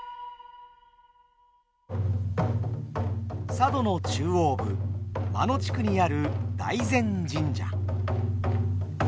佐渡の中央部真野地区にある大膳神社。